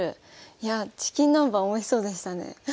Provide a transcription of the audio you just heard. いやチキン南蛮おいしそうでしたね。